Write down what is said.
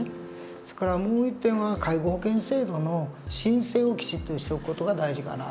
それからもう一点は介護保険制度の申請をきちっとしておく事が大事かなと。